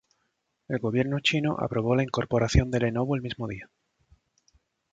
El gobierno chino aprobó la incorporación de Lenovo el mismo día.